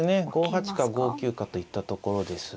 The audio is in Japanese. ５八か５九かといったところです。